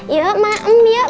yuk makan yuk